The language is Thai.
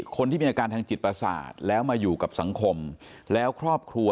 คนที่มีอาการทางจิตประสาทแล้วมาอยู่กับสังคมแล้วครอบครัว